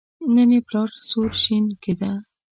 نن یې پلار سور شین کېده.